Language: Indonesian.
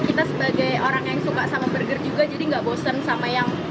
kita sebagai orang yang suka sama burger juga jadi nggak bosen sama yang